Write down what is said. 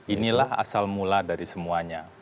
inilah asal mula dari semuanya